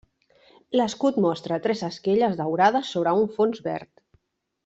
L'escut mostra tres esquelles daurades sobre un fons verd.